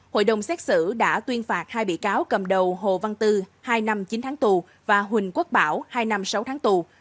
hội đồng xét xử đã tuyên phạt hai bị cáo cầm đầu hồ văn tư hai năm chín tháng tù và huỳnh quốc bảo hai năm sáu tháng tù